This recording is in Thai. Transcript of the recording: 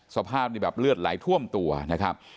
สภาพนี่แบบเลือดไหลท่วมตัวนะครับ